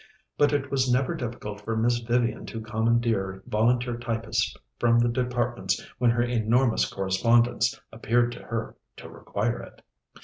But it was never difficult for Miss Vivian to commandeer volunteer typists from the departments when her enormous correspondence appeared to her to require it.